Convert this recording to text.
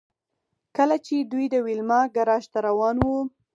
کله چې دوی د ویلما ګراج ته روان وو